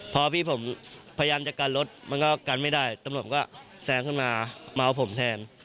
พอพี่ผมพยายามจะกันรถมันก็กันไม่ได้ตำรวจก็แซงขึ้นมาเมาผมแทน